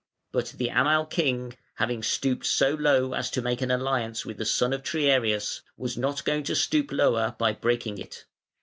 But the Amal king, having stooped so low as to make an alliance with the son of Triarius, was not going to stoop lower by breaking it.